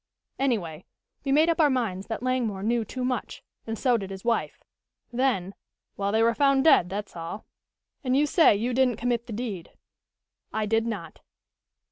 Anyway, we made up our minds that Langmore knew too much, and so did his wife. Then well, they were found dead, that's all." "And you say you didn't commit the deed?" "I did not."